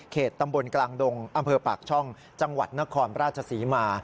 ตำบลกลางดงอำเภอปากช่องจังหวัดนครราชศรีมา